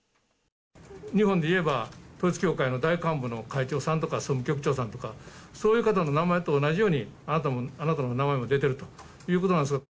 日本でいえば旧統一教会の大幹部の会長さんとか総務局長さんとかそういう方の名前と同じようにあなたの名前も出ているということなんですが。